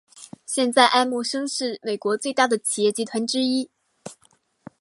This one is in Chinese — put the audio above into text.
现在艾默生是美国最大的企业集团之一。